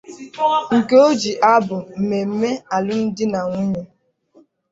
nke o ji abụ mmemme alụmdinanwunye